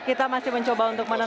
kita masih mencoba untuk menekan